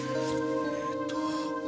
えーっと。